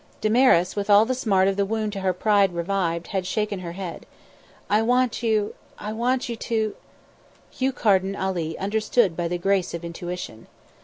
Damaris, with all the smart of the wound to her pride revived, had shaken her head. "I want you I want you to " Hugh Carden Ali understood by the grace of intuition.